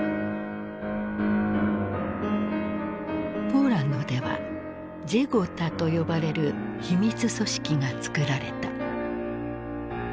ポーランドでは「ジェゴタ」と呼ばれる秘密組織が作られた。